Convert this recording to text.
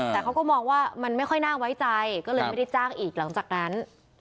แต่เขาก็มองว่ามันไม่ค่อยน่าไว้ใจก็เลยไม่ได้จ้างอีกหลังจากนั้น